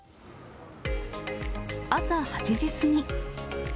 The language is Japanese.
朝８時過ぎ。